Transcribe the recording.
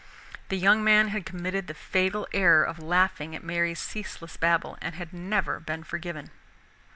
The young man had committed the fatal error of laughing at Mary's ceaseless babble and had never been forgiven.